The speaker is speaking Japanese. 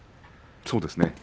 そうですね。